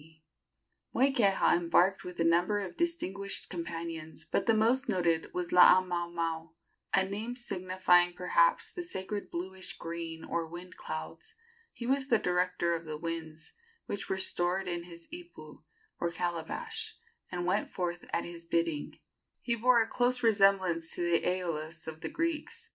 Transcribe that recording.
Moikeha embarked with a number of distinguished companions, but the most noted was Laamaomao a name signifying, perhaps, the sacred bluish green or wind clouds. He was the director of the winds, which were stored in his ipu, or calabash, and went forth at his bidding. He bore a close resemblance to the Æolus of the Greeks.